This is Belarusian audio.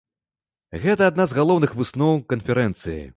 Гэта адна з галоўных высноў канферэнцыі.